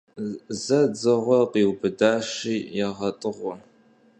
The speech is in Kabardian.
Зы дзыгъуэ къиубыдащи, егъэтӀыгъуэ.